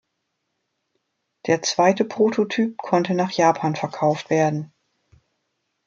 Der zweite Prototyp konnte nach Japan verkauft werden.